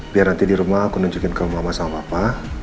biar nanti di rumah aku nunjukin kamu mama sama papa